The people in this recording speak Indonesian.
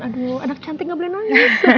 aduh anak cantik gak boleh nangis